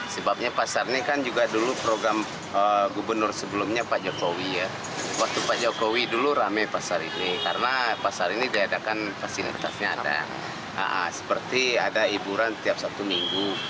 seperti ada hiburan tiap satu minggu